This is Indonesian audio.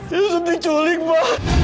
yusuf diculik pak